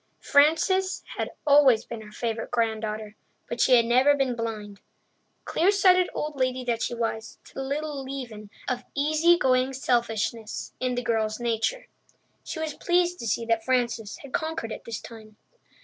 Frances had always been her favourite granddaughter, but she had never been blind, clear sighted old lady that she was, to the little leaven of easy going selfishness in the girl's nature. She was pleased to see that Frances had conquered it this time.